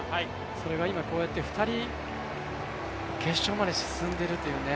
それが今、こうやって２人、決勝まで進んでいるというね。